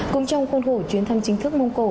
cũng trong khuôn khổ chuyến thăm chính thức mông cổ